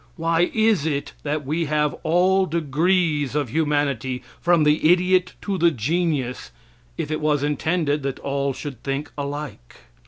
Why is it that we have all degrees of humanity, from the idiot to the genius, if it was intended that all should think alike?